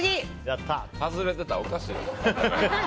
外れてたらおかしい。